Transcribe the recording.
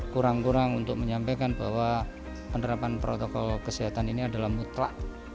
kurang kurang untuk menyampaikan bahwa penerapan protokol kesehatan ini adalah mutlak